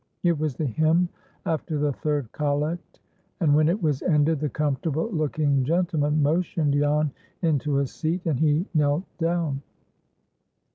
It was the hymn after the third collect, and when it was ended the comfortable looking gentleman motioned Jan into a seat, and he knelt down.